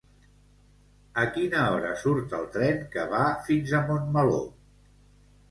A quina hora surt el tren que va fins a Montmeló?